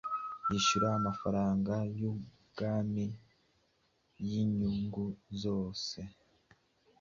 Wishyura amafaranga yubwami yinyungu zose